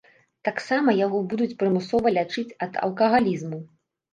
Таксама яго будуць прымусова лячыць ад алкагалізму.